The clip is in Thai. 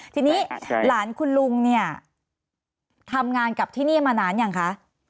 ทีนี้หลานคุณลุงเนี่ยทำงานกับที่นี่มานานยังคะ